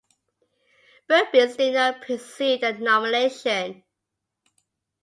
Bubis did not pursue the nomination.